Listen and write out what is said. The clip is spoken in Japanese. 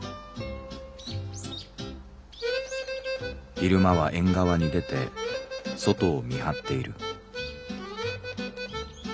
「昼間は縁側に出て外を見張っている」。